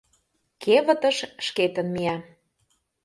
Кевытыш шкетын мия.